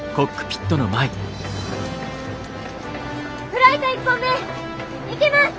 フライト１本目いきます！